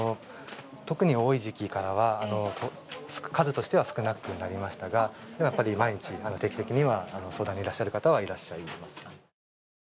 特に多い時期からは、数としては少なくなりましたが、やっぱり毎日、定期的に相談にいらっしゃる方はいらっしゃいます。